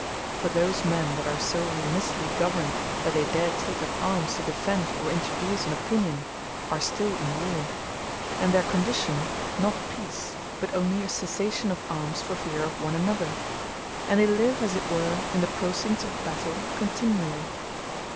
For those men that are so remissely governed, that they dare take up Armes, to defend, or introduce an Opinion, are still in Warre; and their condition not Peace, but only a Cessation of Armes for feare of one another; and they live as it were, in the procincts of battaile continually.